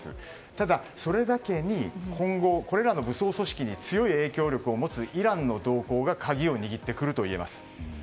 ただ、それだけに今後、これらの武装組織に強い影響力を持つイランの動向が鍵を握ってくるといえます。